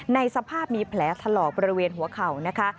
ในสภาพมีแผลถลอกบริเวณหัวเข่านะคะ